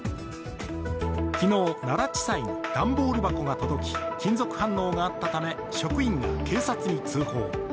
昨日、奈良地裁に段ボール箱が届き、金属反応があったため、職員が警察に通報。